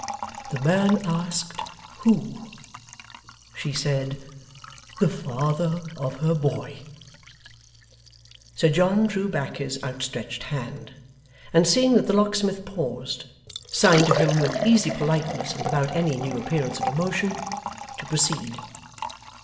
The man asked "Who?" She said, "The father of her boy."' Sir John drew back his outstretched hand, and seeing that the locksmith paused, signed to him with easy politeness and without any new appearance of emotion, to proceed.